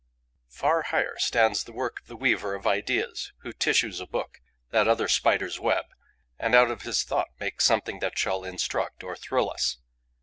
Far higher stands the work of the weaver of ideas, who tissues a book, that other Spider's web, and out of his thought makes something that shall instruct or thrill us.